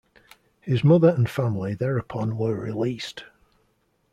His mother and family thereupon were released.